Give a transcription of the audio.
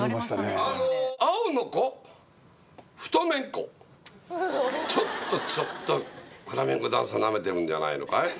チームでちょっとちょっとフラメンコダンスをナメてるんじゃないのかい？